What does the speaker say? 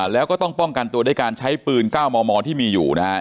แล้วก็ต้องป้องกันตัวด้วยการใช้ปืน๙มมที่มีอยู่นะครับ